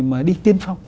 mà đi tiên phong